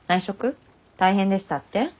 大変でしたって？